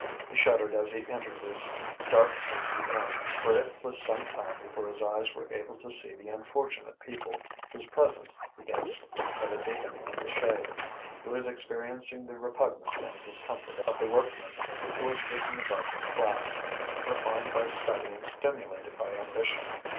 He shuddered as he entered this dark icy room, where it was some time before his eyes were able to see the unfortunate people whose presence he guessed by the deepening of the shade. He was experiencing the repugnance and discomfort of the workman who has risen above his class, refined by study and stimulated by ambition.